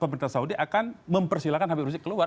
pemerintah saudi akan mempersilahkan habib rizik keluar